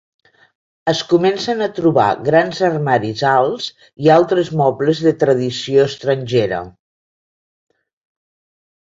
Es comencen a trobar grans armaris alts i altres mobles de tradició estrangera.